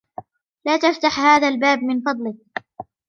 لا تفتح هذا الباب من فضلك.